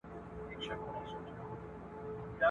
د قاتل تر شا د غره په څېر ولاړ وي !.